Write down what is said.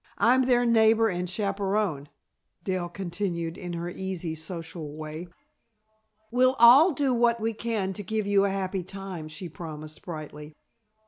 I'm their neighbor and chaperon," Dell continued in her easy social way. "We'll all do what we can to give you a happy time," she promised brightly.